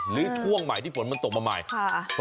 หรือช่วงใหม่ที่ฝนมันตกมาใหม่